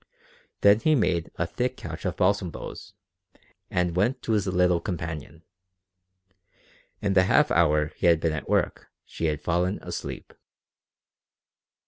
Then he made a thick couch of balsam boughs and went to his little companion. In the half hour he had been at work she had fallen asleep.